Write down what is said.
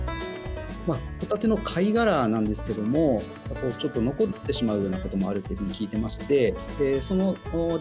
ホタテの貝殻なんですけれども、ちょっと残ってしまうようなこともあるというふうに聞いていまし